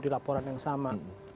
di laporan yang sama